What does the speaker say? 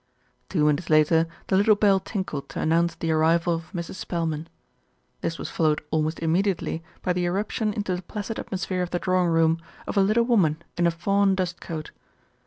Two minutes later the little bell tinkled to announce the arrival of Mrs. Spelman. This was followed al most immediately by the irruption into the placid at mosphere of the drawing room of a little woman in a fawn dust coat.